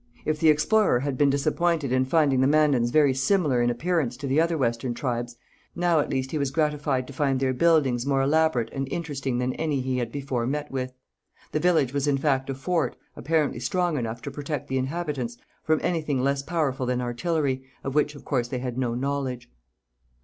If the explorer had been disappointed in finding the Mandans very similar in appearance to other western tribes, now at least he was gratified to find their buildings more elaborate and interesting than any he had before met with. The village was in fact a fort, apparently strong enough to protect the inhabitants from anything less powerful than artillery, of which of course they had no knowledge.